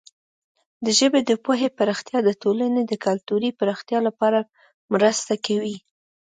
د ژبې د پوهې پراختیا د ټولنې د کلتوري پراختیا لپاره مرسته کوي.